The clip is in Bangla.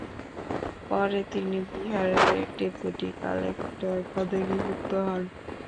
পরে তিনি বিহারের ডেপুটি কালেক্টর পদে নিযুক্ত হন।